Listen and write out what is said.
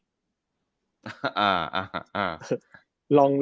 อ่าอ่าอ่าอ่า